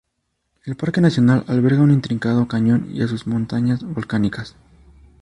El Parque Nacional alberga un intrincado cañón y a sus montañas volcánicas.